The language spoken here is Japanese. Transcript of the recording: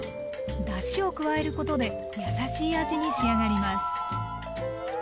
だしを加えることで優しい味に仕上がります。